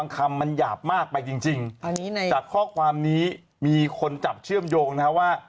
การข่อความนี้มีคนจับเชื่อมโยงนะว่า